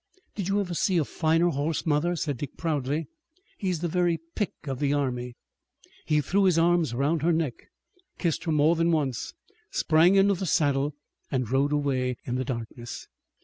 "Did you ever see a finer horse, mother?" said Dick proudly. "He's the very pick of the army." He threw his arms around her neck, kissed her more than once, sprang into the saddle and rode away in the darkness.